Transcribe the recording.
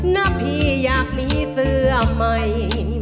นะพี่อยากมีเสื้อใหม่